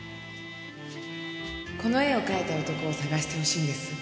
この絵を描いた男を探してほしいんです。